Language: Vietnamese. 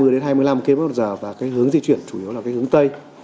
hai mươi đến hai mươi năm kmh và cái hướng di chuyển chủ yếu là cái hướng tây